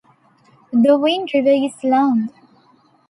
The Wind River is long.